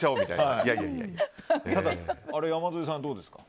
ただ、山添さんどうですか？